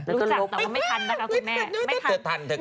รู้จักแต่ว่าไม่ทันนะคะคุณแม่